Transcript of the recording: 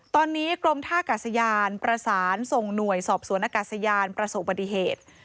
ตอนนี้กรมท่ากาศยานประสานส่งหน่วยสอบสวนอากาศยานประสบบัติเหตุ